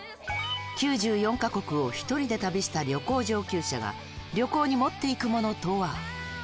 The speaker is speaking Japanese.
９４か国を１人で旅した旅行上級者が旅行に持って行くものとは？